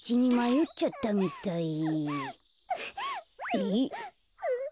えっ？